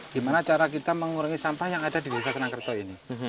gimana cara kita mengurangi sampah yang ada di desa senangkerto ini